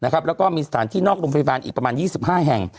แล้วก็มีสถานที่นอกโรงพยาบาลอีกประมาณ๒๕แห่ง